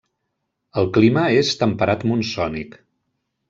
El clima és temperat monsònic.